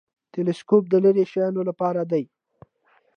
تلسکوپ د لیرې شیانو لپاره دی